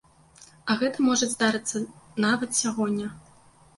А гэта можа здарыцца нават сягоння.